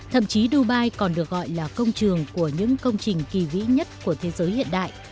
thậm chí dubai còn được gọi là công trường của những công trình kỳ vĩ nhất của thế giới hiện đại